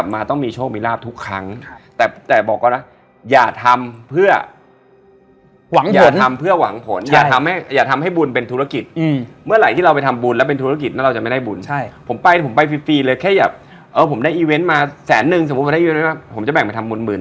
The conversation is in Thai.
ผ่านจุดหนึ่งแล้วเหมือนมีความเย็นมันพัดฟุ้มเข้ามา